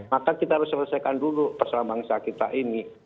maka kita harus selesaikan dulu persoalan bangsa kita ini